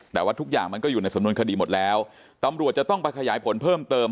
แต่ว่าทุกอย่างมันก็อยู่ในสำนวนคดีหมดแล้วตำรวจจะต้องไปขยายผลเพิ่มเติม